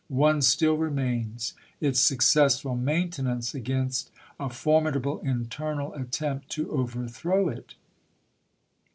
One still remains — its successful maintenance against a formidable internal attempt to overthrow it.